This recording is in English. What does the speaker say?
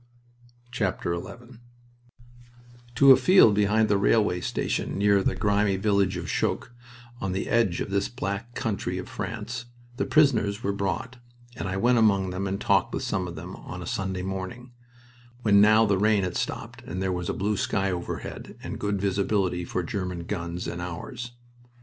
XI To a field behind the railway station near the grimy village of Choques, on the edge of this Black Country of France, the prisoners were brought; and I went among them and talked with some of them, on a Sunday morning, when now the rain had stopped and there was a blue sky overhead and good visibility for German guns and ours.